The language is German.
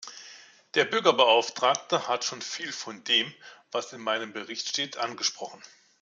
Der Bürgerbeauftragte hat schon viel von dem, was in meinem Bericht steht, angesprochen.